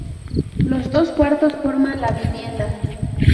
Los dos cuartos forman la vivienda.